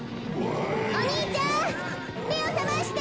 お兄ちゃんめをさまして！